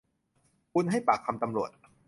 คุณให้ปากคำตำรวจ